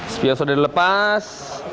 spion sudah dilepas